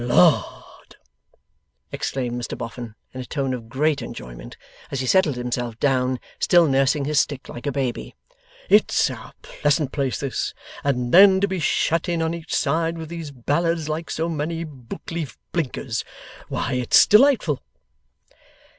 'Lard!' exclaimed Mr Boffin, in a tone of great enjoyment, as he settled himself down, still nursing his stick like a baby, 'it's a pleasant place, this! And then to be shut in on each side, with these ballads, like so many book leaf blinkers! Why, its delightful!